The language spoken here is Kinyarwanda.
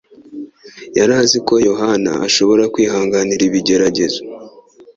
yari azi ko Yohana ashobora kwihanganira ibigeragezo.